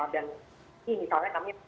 dan ini misalnya kami